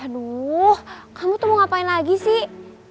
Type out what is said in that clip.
aduh kamu tuh mau ngapain lagi sih